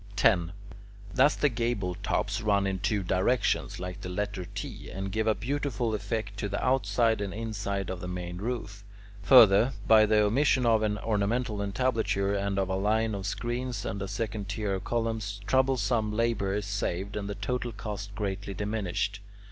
10. Thus the gable tops run in two directions, like the letter T, and give a beautiful effect to the outside and inside of the main roof. Further, by the omission of an ornamental entablature and of a line of screens and a second tier of columns, troublesome labour is saved and the total cost greatly diminished.